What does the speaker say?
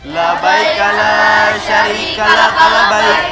la baik allahumma la baik